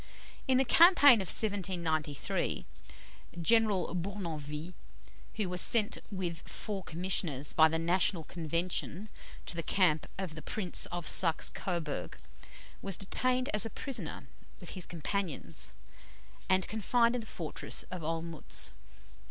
In the campaign of 1793, General Bournonville, who was sent with four commissioners by the National Convention to the camp of the Prince of Saxe Coburg, was detained as a prisoner with his companions, and confined in the fortress of Olmütz.